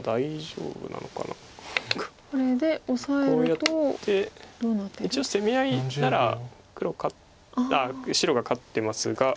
こうやって一応攻め合いなら白が勝ってますが。